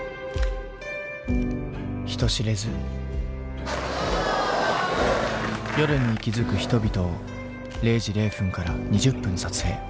人知れず夜に息づく人々を０時０分から２０分撮影。